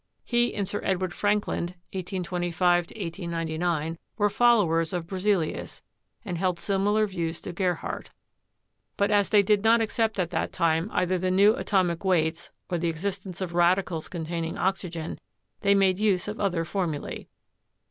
He and Sir Edward Frankland (1825 1899) were followers of Berzelius, and held similar views to Gerhardt, but as they did not accept at that time either the new atomic weights or the existence of radicals containing oxygen, they made use of other formulae.